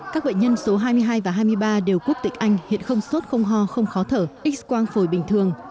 các bệnh nhân số hai mươi hai và hai mươi ba đều quốc tịch anh hiện không sốt không ho không khó thở ít quang phổi bình thường